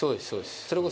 それこそ。